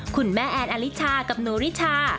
คุณแม่แอนอลิชากับหนูริชา